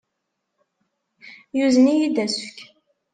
Yuzen-iyi-d asefk.